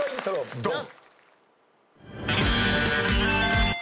ドン！